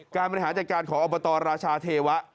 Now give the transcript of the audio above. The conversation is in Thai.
การบริหารจัดการของอบตราชาเทวะ